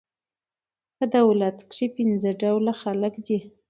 په دولت کښي پنځه ډوله خلک دي.